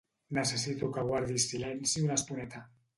Necessito que guardis silenci una estoneta.